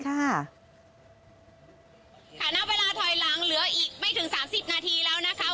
ณเวลาถอยหลังเหลืออีกไม่ถึง๓๐นาทีแล้วนะคะ